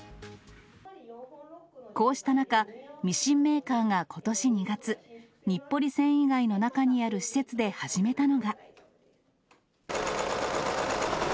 こうした中、ミシンメーカーがことし２月、日暮里繊維街の中にある施設で始めたのが。